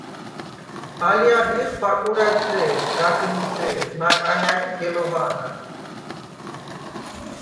ალჲარ ლიხ: ბაკურაძე̄ლ, გაგნიძე̄ლ, ნაკანარ ი გელოვა̄ნარ.